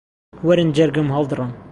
وەرن جەرگم هەڵدڕن